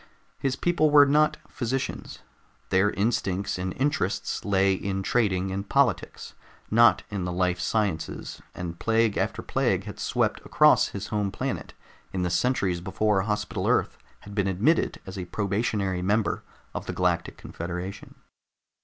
His people were not physicians. Their instincts and interests lay in trading and politics, not in the life sciences, and plague after plague had swept across his home planet in the centuries before Hospital Earth had been admitted as a probationary member of the Galactic Confederation.